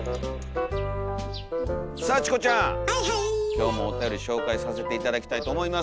今日もおたより紹介させて頂きたいと思います。